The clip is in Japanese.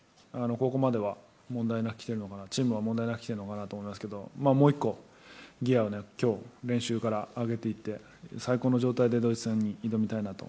ここまでは問題なくきているのかなとチームは問題なくきているのかなと思いますが練習から上げていって最高の状態でドイツ戦に挑みたいなと。